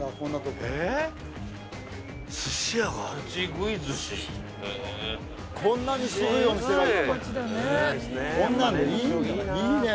こんなのいいね。